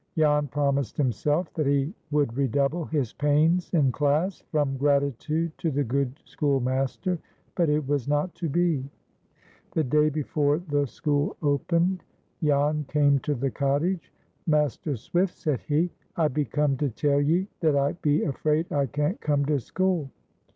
Jan promised himself that he would redouble his pains in class, from gratitude to the good schoolmaster. But it was not to be. The day before the school opened, Jan came to the cottage. "Master Swift," said he, "I be come to tell ye that I be afraid I can't come to school."